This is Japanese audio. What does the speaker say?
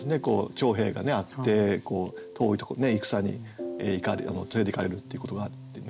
徴兵があって遠いところ戦に連れていかれるっていうことがあってね。